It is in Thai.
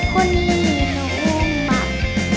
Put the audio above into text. คนนี่หนูมัก